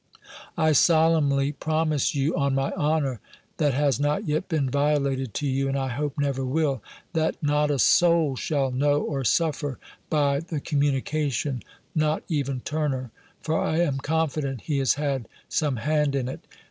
I solemnly promise you, on my honour (that has not yet been violated to you, and I hope never will), that not a soul shall know or suffer by the communication, not even Turner; for I am confident he has had some hand in it.